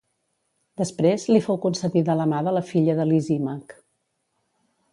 Després li fou concedida la mà de la filla de Lisímac.